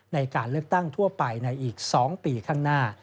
ในการเลือกตั้งทั่วไปในอีก๒ปีข้างหน้า